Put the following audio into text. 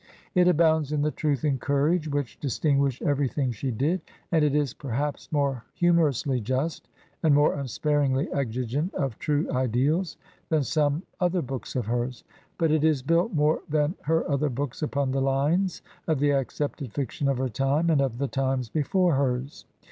It abounds in the truth and courage which distinguish everything she did, and it is perhaps more humorously just and more unsparingly exigent of true ideals than some other books of hers. But it is built more than her other books upon the lines of the accepted fiction of her time, or of the times before hers.